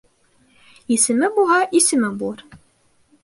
Есеме булһа, исеме булыр.